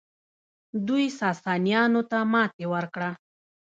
دوی ساسانیانو ته ماتې ورکړه